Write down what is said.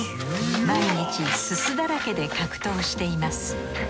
毎日煤だらけで格闘しています。